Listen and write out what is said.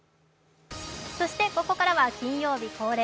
そしてここからは金曜日恒例